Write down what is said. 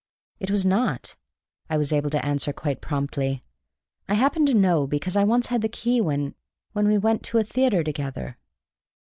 "It was not," I was able to answer quite promptly. "I happen to know because I once had the key when when we went to a theatre together."